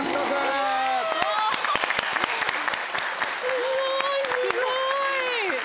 すごいすごい。